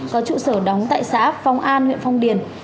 có trụ sở đóng tại xã phong an huyện phong điền